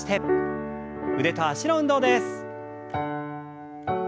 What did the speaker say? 腕と脚の運動です。